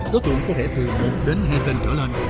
đối tượng có thể từ một đến hai tên trở lên